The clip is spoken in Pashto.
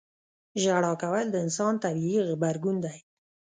• ژړا کول د انسان طبیعي غبرګون دی.